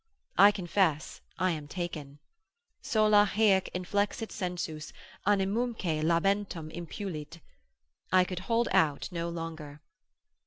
I confess I am taken, Sola haec inflexit sensus, animumque labentem Impulit——— I could hold out no longer.